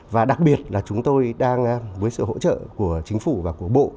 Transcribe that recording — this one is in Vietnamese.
và đặc biệt là chúng tôi đang với sự hỗ trợ của chính phủ và của bộ